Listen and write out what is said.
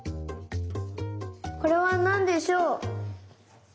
これはなんでしょう？